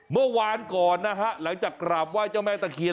เมื่อวานก่อนนะฮะหลังจากกราบไหว้เจ้าแม่ตะเคียน